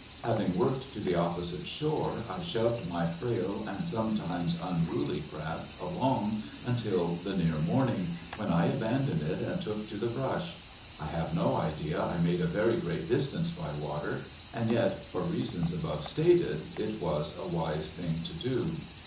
Having worked to the opposite shore I shoved my frail and sometimes unruly craft along until near morning, when I abandoned it and took to the brush. I have no idea I made a very great distance by water, and yet, for reasons above stated, it was a wise thing to do.